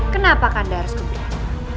kenapa kanda harus keberanian